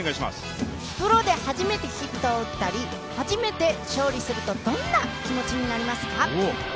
プロで初めてヒットを打ったり初めて勝利するとどんな気持ちになりますか？